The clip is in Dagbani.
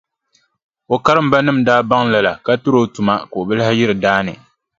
O karimbanima daa baŋ lala ka tiri o tuma ka o bi lahi yiri daa ni.